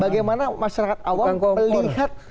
bagaimana masyarakat awam melihat